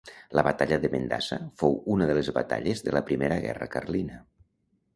La batalla de Mendaza fou una de les batalles de la primera guerra carlina.